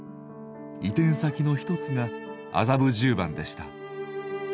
移転先の一つが麻布十番でした。